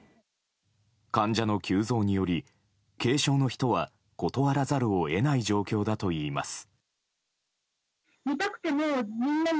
患者の急増により軽症の人は断らざるを得ない状況だといいます。